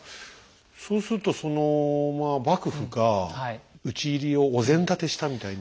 そうするとそのまあ幕府が討ち入りをお膳立てしたみたいな。